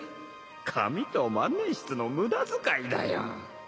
紙と万年筆の無駄遣いだよ